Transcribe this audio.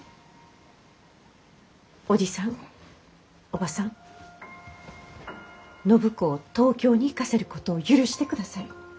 おばさん暢子を東京に行かせることを許してください。